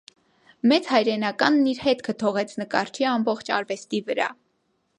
Մեծ հայրենականն իր հետքը թողեց նկարչի ամբողջ արվեստի վրա։